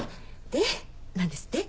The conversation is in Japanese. で何ですって？